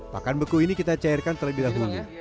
pakan beku ini kita cairkan terlebih dahulu